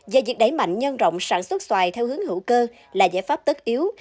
và việc đẩy mạnh nhân rộng sản xuất xoài theo hướng hữu cơ là giải pháp tất yếu